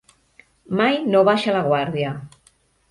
Mai no baixa la guàrdia.